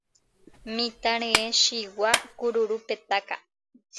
Mitã rye chigua kururu petáka